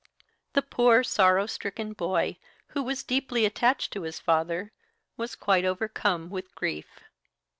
The poor, sorrow stricken boy, who was deeply attached to his father, was quite overcome with grief.